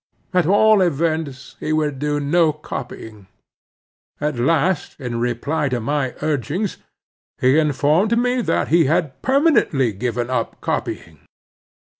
At all events, he would do no copying. At last, in reply to my urgings, he informed me that he had permanently given up copying.